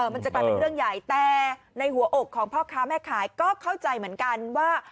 มันจะกลายเป็นเรื่องใหญ่แต่ในหัวอกของพ่อค้าแม่ขายก็เข้าใจเหมือนกันว่า